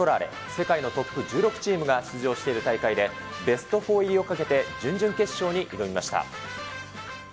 世界のトップ１６チームが出場している大会でベスト４入りをかけて、準々決勝に挑みました。